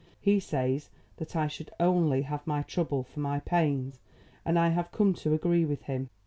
He says that I should only have my trouble for my pains, and I have come to agree with him.